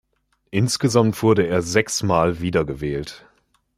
Insgesamt wurde er sechsmal wiedergewählt.